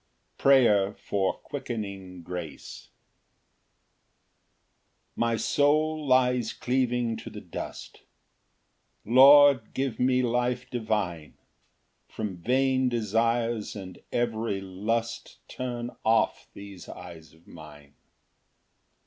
Prayer for quickening grace. Ver. 25 37. 1 My soul lies cleaving to the dust; Lord, give me life divine; From vain desires and every lust Turn off these eyes of mine.